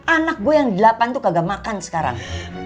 anak gue yang delapan tuh kagak makan sekarang